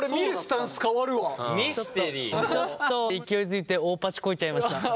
ちょっと勢いづいて大っパチこいちゃいました。